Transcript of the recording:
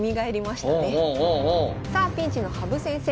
さあピンチの羽生先生